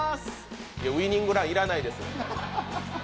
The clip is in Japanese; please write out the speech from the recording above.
ウイニングラン要らないです。